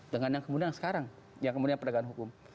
dengan yang kemudian sekarang yang kemudian penegakan hukum